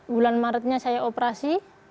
bulan maretnya saya operasi